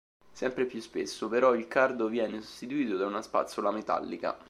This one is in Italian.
Sempre più spesso, però, il cardo viene sostituito da una spazzola metallica.